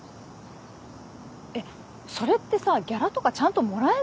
えっそれってさギャラとかちゃんともらえんの？